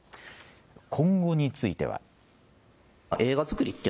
今後については。